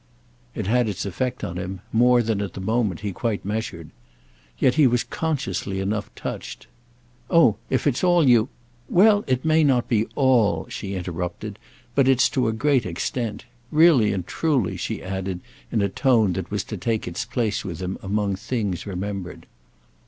It had its effect on him—more than at the moment he quite measured. Yet he was consciously enough touched. "Oh if it's all you—!" "Well, it may not be 'all,'" she interrupted, "but it's to a great extent. Really and truly," she added in a tone that was to take its place with him among things remembered.